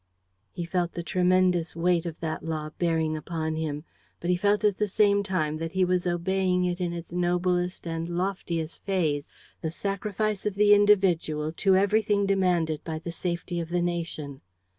He felt the tremendous weight of that law bearing upon him, but he felt at the same time that he was obeying it in its noblest and loftiest phase, the sacrifice of the individual to everything demanded by the safety of the nation.